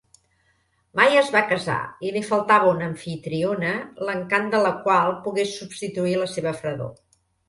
Mai es va casar i li faltava una amfitriona l'encant de la qual pogués substituir la seva fredor.